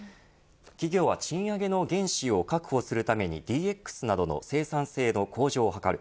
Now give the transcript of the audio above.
企業は、賃上げの原資を確保するためにＤＸなどの生産性の向上を図る。